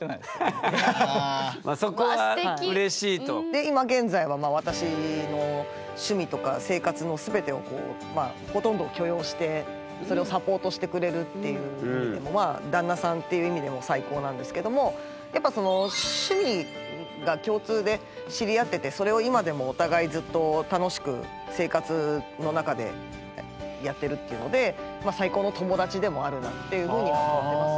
で今現在は私の趣味とか生活の全てをほとんどを許容してそれをサポートしてくれるっていう意味でも「旦那さん」っていう意味でも最高なんですけどもやっぱ趣味が共通で知り合っててそれを今でもお互いずっと楽しく生活の中でやってるっていうので「最高の友達」でもあるなっていうふうに思ってます。